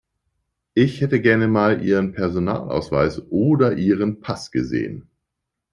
Ich hätte mal gern Ihren Personalausweis oder Ihren Pass gesehen.